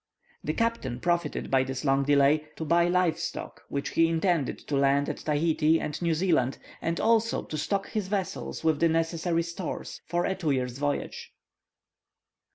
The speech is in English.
The captain profited by this long delay, to buy live stock, which he intended to land at Tahiti and New Zealand, and also to stock his vessels with the necessary stores for a two years' voyage.